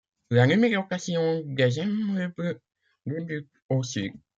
La numérotation des immeubles débute au sud.